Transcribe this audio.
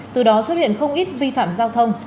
từ đó xuất hiện không ít vi phạm giao thông